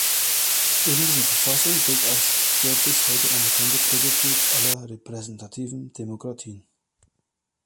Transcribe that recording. Ebendiese Verfassung gilt als der bis heute anerkannte Prototyp aller „repräsentativen“ Demokratien.